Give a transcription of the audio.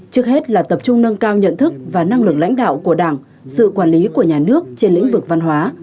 trước hết là tập trung nâng cao nhận thức và năng lực lãnh đạo của đảng sự quản lý của nhà nước trên lĩnh vực văn hóa